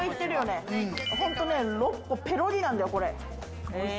本当６個ペロリなんだよね。